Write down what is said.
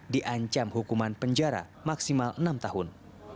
diancam hukuman penjara maksimal enam tahun